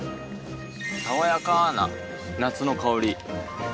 爽やかな夏の香り。